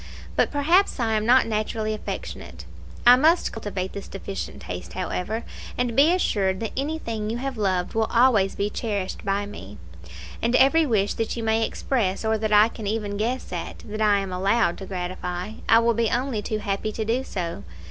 But perhaps I am not naturally affectionate. I must cultivate this deficient taste, however; and be assured that anything you have loved will always be cherished by me; and every wish that you may express, or that I can even guess at, that I am allowed to gratify, I will be only too happy to do so.